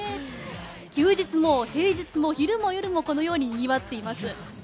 休日も平日も、昼も夜もこのように、にぎわっています。